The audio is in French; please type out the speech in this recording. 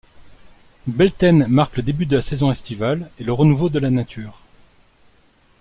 Beltaine marque le début de la saison estivale et le renouveau de la nature.